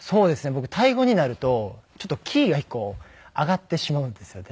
僕タイ語になるとちょっとキーが１個上がってしまうんですよね。